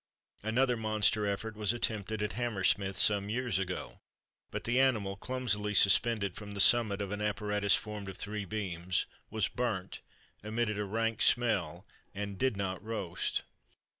Another monster effort was attempted at Hammersmith some years ago, but the animal, clumsily suspended from the summit of an apparatus formed of three beams, was burnt, emitted a rank smell, and did not roast.